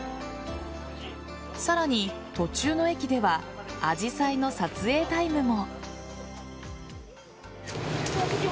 さらに、途中の駅ではアジサイの撮影タイムも。